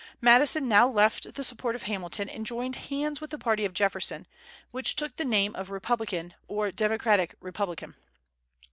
Madison now left the support of Hamilton, and joined hands with the party of Jefferson, which took the name of Republican, or Democratic Republican.